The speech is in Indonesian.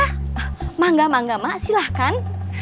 enggak enggak enggak emak silahkan